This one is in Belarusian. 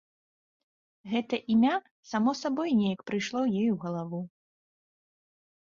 Гэта імя само сабой неяк прыйшло ёй у галаву.